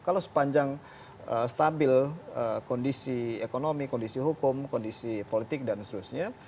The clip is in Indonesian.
kalau sepanjang stabil kondisi ekonomi kondisi hukum kondisi politik dan seterusnya